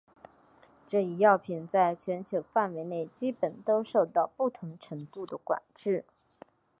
这一药品在全球范围内基本都受到不同程度的管制。